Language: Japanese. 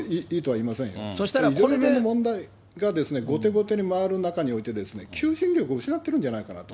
いろいろな問題が後手後手に回る中において、求心力を失ってるんじゃないかなと。